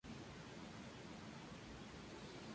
Ella tiene cuatro hijos, de su primer matrimonio.